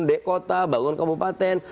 dekota bangun kabupaten